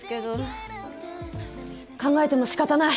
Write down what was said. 考えても仕方ない。